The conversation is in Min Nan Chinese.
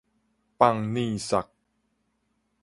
放 nih 捒